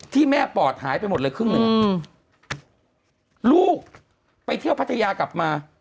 ที่แม่ปอดหายไปหมดเลยครึ่งหนึ่งลูกไปเที่ยวพัทยากลับมา